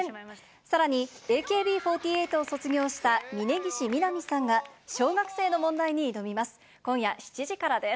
さらにＡＫＢ４８を卒業した峯岸みなみさんが、小学生の問題に挑みます。